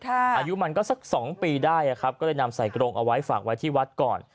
อายุมันก็สัก๒ปีได้ครับก็เลยนำใส่กรงเอาไว้ฝากไว้ที่วัดก่อน